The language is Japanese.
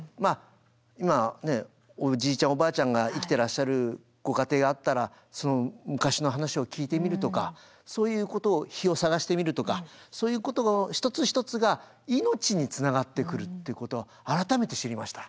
今おじいちゃんおばあちゃんが生きてらっしゃるご家庭があったらその昔の話を聞いてみるとかそういうことを碑を探してみるとかそういうことの一つ一つが命につながってくるっていうことを改めて知りました。